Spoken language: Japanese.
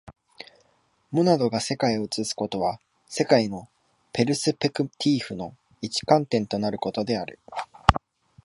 モナドが世界を映すことは、世界のペルスペクティーフの一観点となることである。